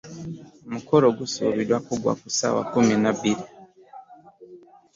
Omukolo gusuubirwa okuggwa ku ssaawa kkumi na bbiri